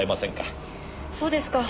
そうですか。